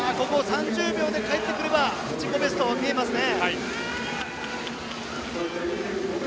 ３０秒でかえってくれば自己ベストが見えますね。